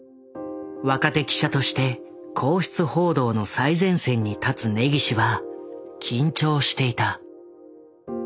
若手記者として皇室報道の最前線に立つ根岸は緊張していた。